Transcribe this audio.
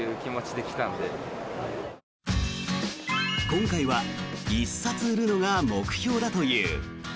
今回は１冊売るのが目標だという。